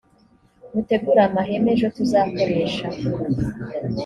mutegure amahema ejo tuzakoresha